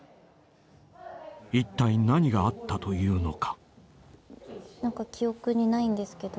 ［いったい何があったというのか？］